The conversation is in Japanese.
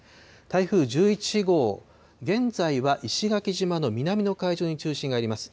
台風１１号、現在は石垣島の南の海上に中心があります。